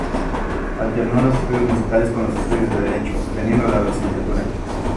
Alternó los estudios musicales con los estudios de Derecho, obteniendo la licenciatura.